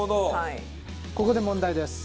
ここで問題です。